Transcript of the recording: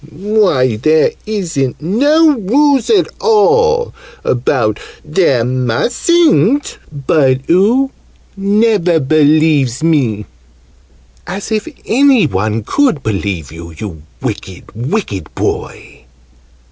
Why, there isn't no rules at all about 'There mustn't'! But oo never believes me!" "As if any one could believe you, you wicked wicked boy!"